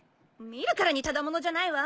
見るからにただ者じゃないわ。